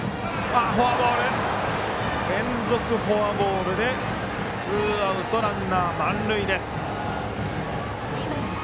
連続フォアボールでツーアウト、ランナー満塁です